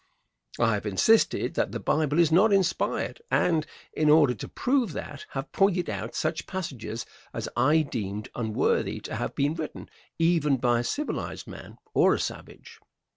I have insisted that the Bible is not inspired, and, in order to prove that, have pointed out such passages as I deemed unworthy to have been written even by a civilized man or a savage.